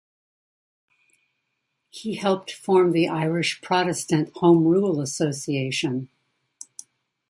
He helped form the Irish Protestant Home Rule Association.